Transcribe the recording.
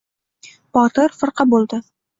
Botir firqa bo‘ldi.